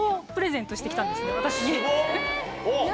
私に。